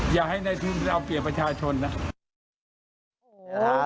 อย่าให้ในทุนไปเอาเปรียบประชาชนนะ